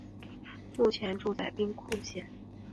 目前住在兵库县。